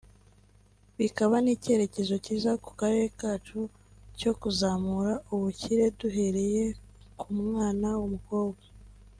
bikaba n’icyerekezo cyiza ku karere kacu cyo kuzamura ubukire duhereye ku mwana w’umukobwa